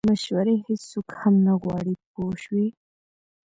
مشورې هیڅوک هم نه غواړي پوه شوې!.